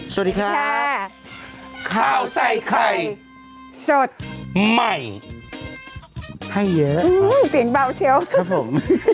สวัสดีค่ะข้าวใส่ไข่สดใหม่ให้เยอะเสียงเบาเชียวครับผม